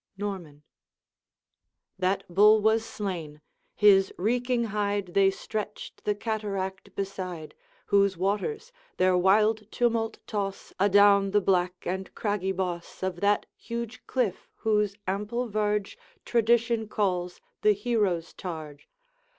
Norman. 'That bull was slain; his reeking hide They stretched the cataract beside, Whose waters their wild tumult toss Adown the black and craggy boss Of that huge cliff whose ample verge Tradition calls the Hero's Targe.